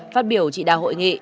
phát biểu trị đảng hội nghị